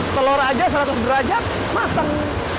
telur aja seratus derajat matang